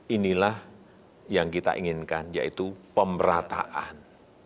inilah yang kita inginkan yaitu pemerataan